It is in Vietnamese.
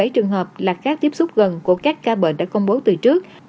một mươi bảy trường hợp là các tiếp xúc gần của các ca bệnh đã công bố từ trước